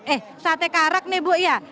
eh sate karak nih bu ya